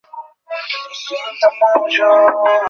তিনি প্রতিষ্ঠানটি বানানোর কাজে সরাসরি ছোটো ভূমিকা রেখেছিলেন।